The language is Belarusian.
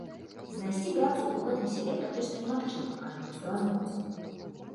Знайсці працу ў гэтым сяле практычна немагчыма, кажа мой суразмоўца.